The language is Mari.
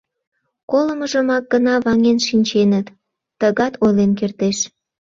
«Колымыжымак гына ваҥен шинченыт», — тыгат ойлен кертеш.